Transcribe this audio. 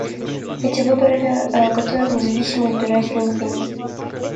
Эти выборы готовил независимый избирательный механизм.